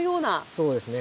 そうですね。